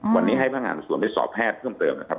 วันนี้ให้พนักงานสวนไปสอบแพทย์เพิ่มเติมนะครับ